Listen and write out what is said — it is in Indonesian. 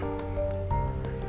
yang telah menonton video ini